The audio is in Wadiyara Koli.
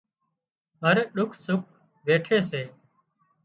هر ڏُک سُک ويٺي سي